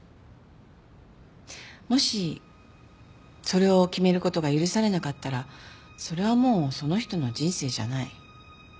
もしそれを決めることが許されなかったらそれはもうその人の人生じゃない。